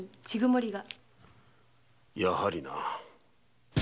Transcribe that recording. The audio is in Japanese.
やはりな。